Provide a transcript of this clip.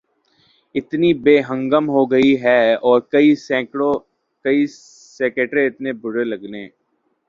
اتنی بے ہنگم ہو گئی ہے اور کئی سیکٹرز اتنے برے لگنے